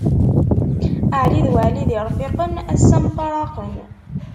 Ɛli d Weɛli d irfiqen, assa mfaraqen.